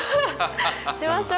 しましょ。